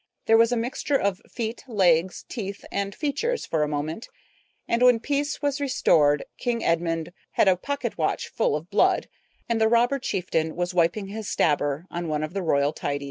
There was a mixture of feet, legs, teeth, and features for a moment, and when peace was restored King Edmund had a watch pocket full of blood, and the robber chieftain was wiping his stabber on one of the royal tidies.